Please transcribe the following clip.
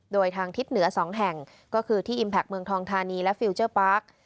โดยทางทิศเหนือ๒แห่งก็คือที่อิมแพคเมืองทองทานีและฟิลเจอร์ปาร์ค